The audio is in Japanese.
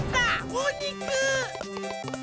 おにく！